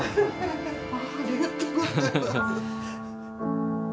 ありがとうございます。